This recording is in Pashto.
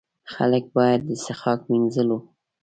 خلک باید د څښاک، مینځلو.